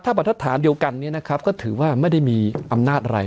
ถ้าบัตรฐานเดียวกันเนี่ยนะครับก็ถือว่าไม่ได้มีอำนาจอะไร